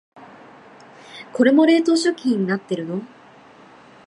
これも冷凍食品になってるの？